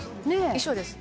衣装です」